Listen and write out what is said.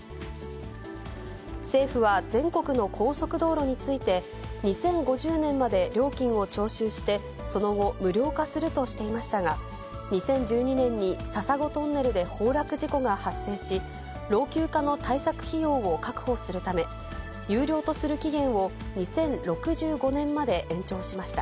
政府は全国の高速道路について、２０５０年まで料金を徴収して、その後、無料化するとしていましたが、２０１２年に笹子トンネルで崩落事故が発生し、老朽化の対策費用を確保するため、有料とする期限を２０６５年まで延長しました。